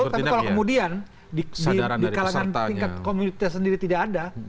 tapi kalau kemudian di kalangan tingkat komunitas sendiri tidak ada